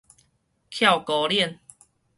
翹孤輪